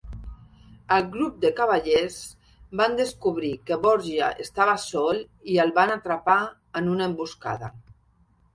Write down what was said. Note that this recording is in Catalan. El grup de cavallers van descobrir que Borgia estava sol i el van atrapar en una emboscada.